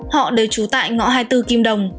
họ đều trú tại ngõ hai mươi bốn kim đồng